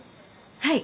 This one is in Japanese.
はい。